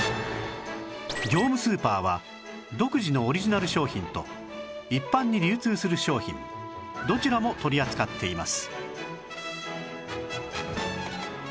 業務スーパーは独自のオリジナル商品と一般に流通する商品どちらも取り扱っています